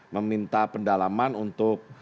meminta pendalaman untuk